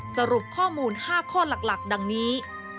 สรุปข้อมูล๕ข้อหลักดังนี้